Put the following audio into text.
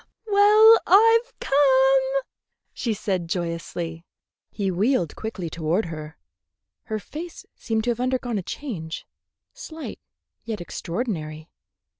"Well, I've come," she said joyously. He wheeled quickly toward her. Her face seemed to have undergone a change, slight yet extraordinary.